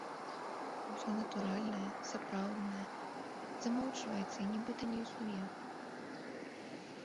А ўсё натуральнае, сапраўднае замоўчваецца і нібыта не існуе.